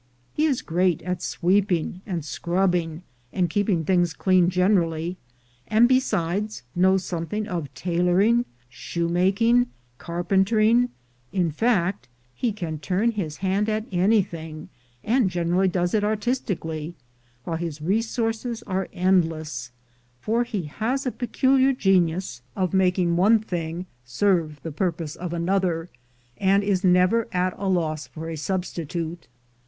He is great at sweeping and scrubbing, and keepmg things clean generally, and, besides, knows something of tailoring, shoemaking, carpentering; in fact, he can turn his hand to anything, and generally does it artistically, while his resources are endless, for he has a peculiar genius for making one thing serve the pur 344 THE GOLD HUNTERS pose of another, and is never at a loss for a substitute.